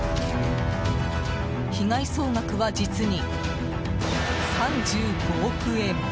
被害総額は実に３５億円。